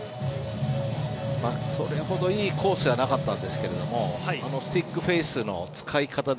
それほどいいコースではなかったんですがスティックフェースの使い方で